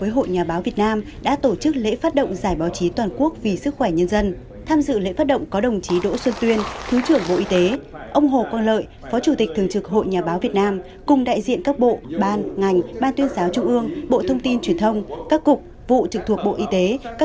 hãy đăng ký kênh để ủng hộ kênh của chúng mình nhé